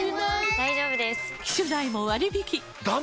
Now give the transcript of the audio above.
大丈夫です！